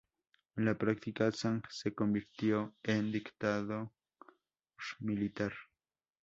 En la práctica, Zhang se convirtió en dictador militar.